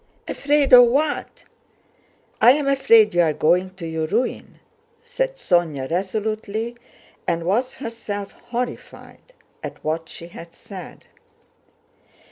"Afraid of what?" "I am afraid you're going to your ruin," said Sónya resolutely, and was herself horrified at what she had said.